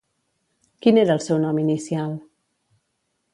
Quin era el seu nom inicial?